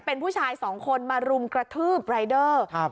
เป็นผู้ชายสองคนมารุมกระทืบรายเดอร์ครับ